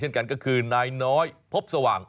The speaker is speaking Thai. กันก็คือนายน้อยพบสว่าง